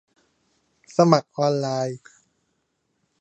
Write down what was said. สมัครออนไลน์